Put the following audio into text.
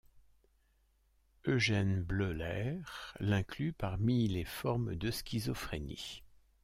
Eugen Bleuler l'inclut parmi les formes de schizophrénie.